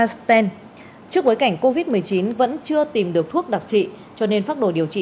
sten trước bối cảnh covid một mươi chín vẫn chưa tìm được thuốc đặc trị cho nên phát đồ điều trị